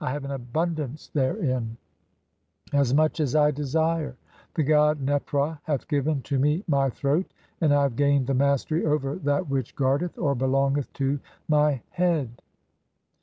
1 33 "as much as I desire — the god Nepra hath given to me mv ''throat, and I have gained the mastery over (10) that which "guard eth (or belongeth to) my head."